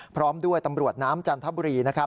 พร้อมด้วยตำรวจน้ำจันทบุรี